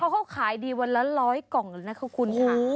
ก็เขาขายดีวันละร้อยกล่องเลยนะครับคุณค่ะโห